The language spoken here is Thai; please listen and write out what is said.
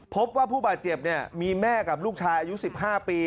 พบว่าผู้บาดเจ็บมีแม่กับลูกชายอายุ๑๕ปี